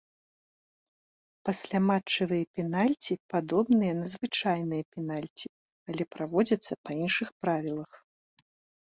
Пасляматчавыя пенальці падобныя на звычайныя пенальці, але праводзяцца па іншых правілах.